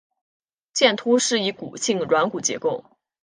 剑突是一骨性软骨结构。